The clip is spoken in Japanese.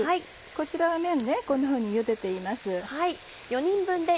こちらは麺ねこんなふうにゆでています。